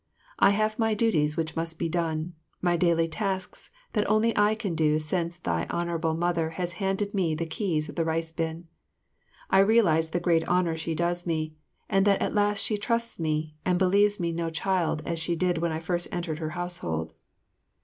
I have my duties which must be done, my daily tasks that only I can do since thine Honourable Mother has handed me the keys of the rice bin. I realise the great honour she does me, and that at last she trusts me and believes me no child as she did when I first entered her household.